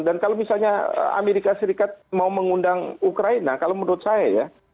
dan kalau misalnya amerika serikat mau mengundang ukraina kalau menurut saya ya